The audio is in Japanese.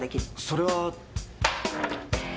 それは？